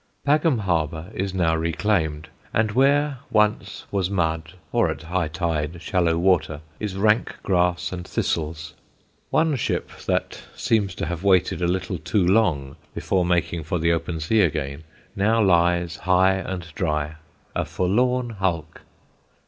Pagham Harbour is now reclaimed, and where once was mud, or, at high tide, shallow water, is rank grass and thistles. One ship that seems to have waited a little too long before making for the open sea again, now lies high and dry, a forlorn hulk.